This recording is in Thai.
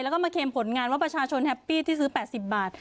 แล้วก็มาเค็มผลงานว่าประชาชนแฮปปี้ที่ซื้อ๘๐บาท